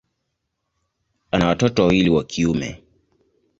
Ana watoto wawili wa kiume.